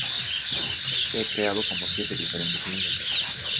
He creado como siete diferentes mundos.